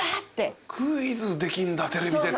クイズできるんだテレビで。